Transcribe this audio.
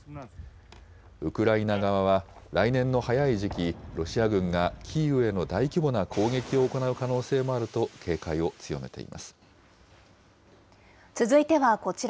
ウクライナ側は、来年の早い時期、ロシア軍がキーウへの大規模な攻撃を行う可能性もあると警戒を強続いてはこちら。